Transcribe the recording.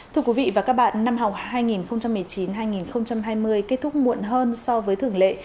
thưa quý vị và các bạn năm học hai nghìn một mươi chín hai nghìn hai mươi kết thúc muộn hơn so với thường lệ